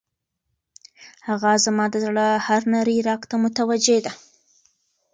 هغه زما د زړه هر نري رګ ته متوجه ده.